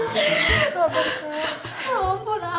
ya ampun abie